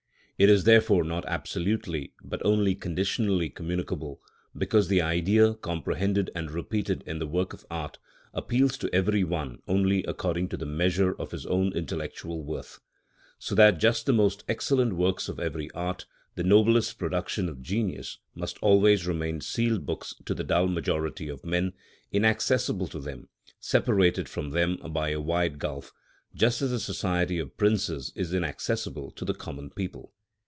It is therefore not absolutely but only conditionally communicable, because the Idea, comprehended and repeated in the work of art, appeals to every one only according to the measure of his own intellectual worth. So that just the most excellent works of every art, the noblest productions of genius, must always remain sealed books to the dull majority of men, inaccessible to them, separated from them by a wide gulf, just as the society of princes is inaccessible to the common people.